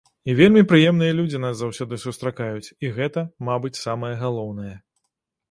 І вельмі прыемныя людзі нас заўсёды сустракаюць, і гэта, мабыць, самае галоўнае.